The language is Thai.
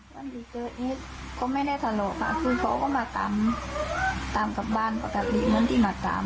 วันที่เกิดเหตุก็ไม่ได้ทะเลาะค่ะคือเขาก็มาตามตามกลับบ้านปกติเหมือนที่มาตาม